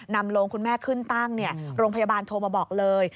นำโรงคุณแม่ขึ้นตั้งโรงพยาบาลโทรมาบอกเลย